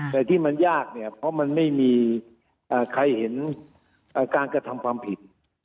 แต่ที่มันยากเนี่ยเพราะมันไม่มีใครเห็นการกระทำความผิด